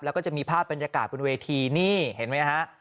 แล้วก็จะมีภาพบรรยากาศบนเวทีนี่เห็นไหมฮะ